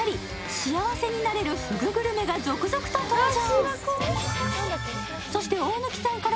幸せになれるふぐグルメが続々登場。